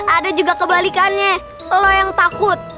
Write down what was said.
ada juga kebalikannya lo yang takut